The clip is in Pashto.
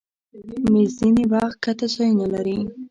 مېز ځینې وخت ښکته ځایونه لري.